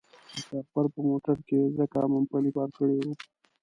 قاچاقبر په موټر کې ځکه مومپلي بار کړي وو.